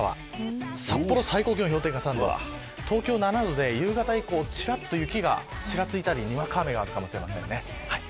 札幌氷点下３度、東京７度で夕方以降、ちらっと雪がちらついたりにわか雨があるかもしれません。